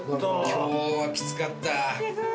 今日はきつかった。